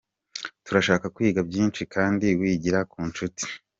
Turashaka kwiga byinshi kandi wigira ku nshuti.